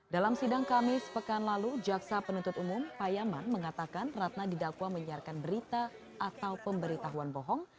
dalam sidang kamis pekan lalu jaksa penuntut umum pak yaman mengatakan ratna didakwa menyiarkan berita atau pemberitahuan bohong